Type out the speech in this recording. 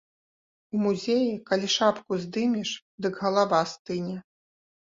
У музеі калі шапку здымеш, дык галава стыне.